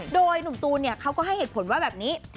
โดยหนุ่มตูนเขาก็ให้เหตุผลว่าแบบนี้